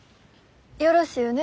よろしゅうね。